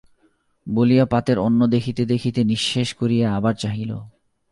বলিয়া পাতের অন্ন দেখিতে দেখিতে নিঃশেষ করিয়া আবার চাহিল।